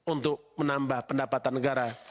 untuk menambah pendapatan negara